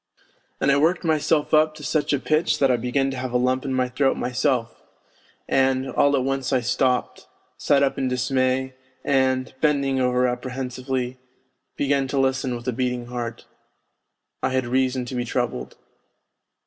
' And I worked myself up to such a pitch that I began to have a lump in my throat myself, and ... and all at once I stopped, sat up in dismay, and bending over apprehensively, began to listen with a beating heart. I had reason to be troubled.